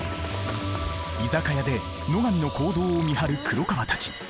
居酒屋で野上の行動を見張る黒川たち。